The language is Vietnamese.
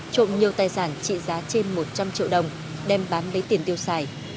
trộm nhiều tài sản trị giá trên một trăm linh triệu đồng đem bán lấy tiền tiêu xài